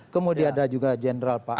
kemudian ada juga general pak erick